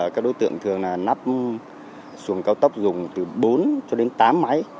các đối tượng thường nắp xuồng cao tốc dùng từ bốn cho đến tám máy